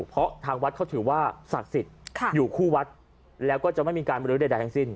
เพราะทางวัดเขาถือว่าศักดิ์สิทธิ์อยู่คู่วัดแล้วก็จะไม่มีการบรื้อใดทั้งสิ้น